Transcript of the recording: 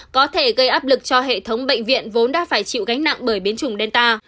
có thể gây áp lực cho hệ thống bệnh viện vốn đã phải chịu gánh nặng bởi biến chủng delta